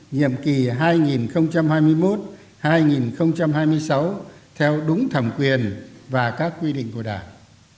nhiệm kỳ hai nghìn hai mươi một hai nghìn hai mươi sáu theo đúng thẩm quyền và các quy định của đảng